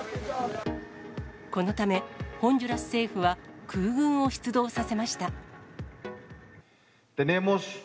このため、ホンジュラス政府は空軍を出動させました。